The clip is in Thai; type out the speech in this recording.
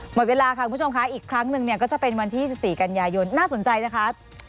หมดเวลาค่ะคุณผู้ชมคะอีกครั้งหนึ่งเนี่ยก็จะเป็นวันที่๑๔กันยายนน่าสนใจนะคะ